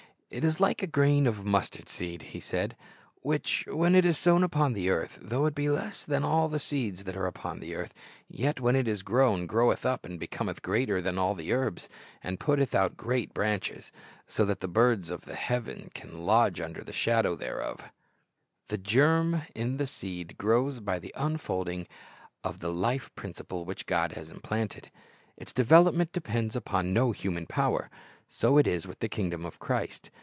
"It is like a grain of mustard seed," He said, "which, when it is sown upon the earth, though it be less than all the seeds that are upon the earth, yet when it is sown, groweth up, and becometh greater than all the herbs, and putteth out great branches; so that the birds of the heaven can lodge under the shadow thereof" ^ (76) Based OH Matt. 13:31, 32; Mark 4 : 30 32 ; Luke 13 ; iS, iq • R. V. ''Like a Grain of Mustard Seed'' yy The germ in the seed grows by the unfolding of the life principle which God has implanted. Its development depends upon no human power. So it is with the kingdom of Christ.